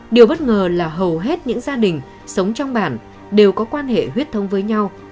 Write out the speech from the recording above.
điều bất ngờ là hầu hết những gia đình sống trong bản đều có quan hệ huyết thông với nhau